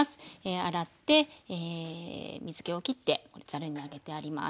洗って水けをきってざるに上げてあります。